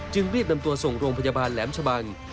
รีบนำตัวส่งโรงพยาบาลแหลมชะบัง